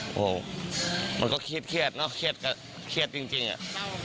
โอ้โหมันก็เครียดเนอะเครียดจริงอะ